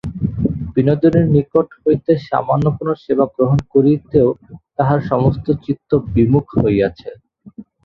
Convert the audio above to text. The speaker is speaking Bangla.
বিনোদিনীর নিকট হইতে সামান্য কোনো সেবা গ্রহণ করিতেও তাহার সমস্ত চিত্ত বিমুখ হইয়াছে।